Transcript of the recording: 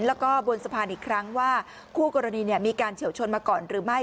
แล้วก็บนสะพานอีกครั้งว่าคู่กรณีมีการเฉียวชนมาก่อนหรือไม่